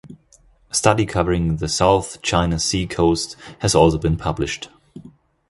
A study covering the South China Sea coast has also been published.